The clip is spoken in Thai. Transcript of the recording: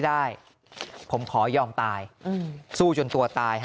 ได้ผมขอยอมตายสู้จนตัวตายฮะ